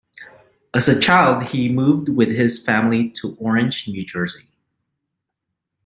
As a child, he moved with his family to Orange, New Jersey.